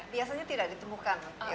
biasanya tidak ditemukan